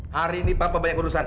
hari ini papa banyak urusan